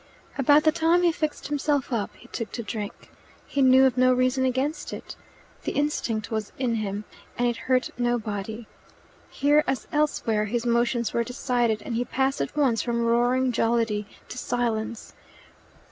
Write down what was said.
About the time he fixed himself up, he took to drink. He knew of no reason against it. The instinct was in him, and it hurt nobody. Here, as elsewhere, his motions were decided, and he passed at once from roaring jollity to silence.